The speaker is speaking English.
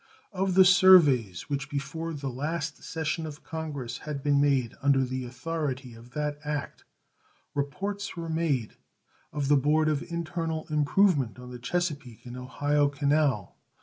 Of the surveys which before the last session of Congress had been made under the authority of that act, reports were made Of the Board of Internal Improvement, on the Chesapeake and Ohio Canal.